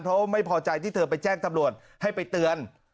เพราะไม่พอใจที่เธอไปแจ้งตำรวจให้ไปเตือน